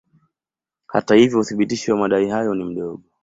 Hata hivyo uthibitisho wa madai hayo ni mdogo.